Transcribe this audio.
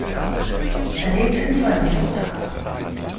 Er lebt in Zeulenroda.